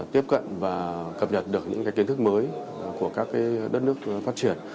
tiếp cận và cập nhật được những kiến thức mới của các đất nước phát triển